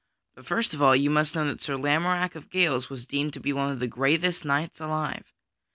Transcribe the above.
But first of all you must know that Sir Lamorack of Gales was deemed to be one of the greatest knights alive.